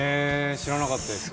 知らなかったです。